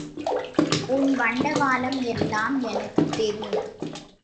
உன் வண்டவாளம் எல்லாம் எனக்குத் தெரியும்.